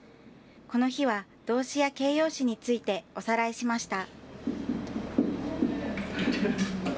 この日は動詞や形容詞についておさらいしました。